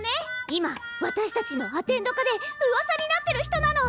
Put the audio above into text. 今私たちのアテンド科でうわさになってる人なの！